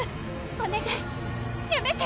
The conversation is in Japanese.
お願いやめて。